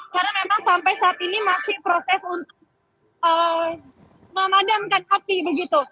karena memang sampai saat ini masih proses untuk memadamkan api